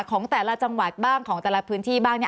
ของแต่ละจังหวัดบ้างของแต่ละพื้นที่บ้าง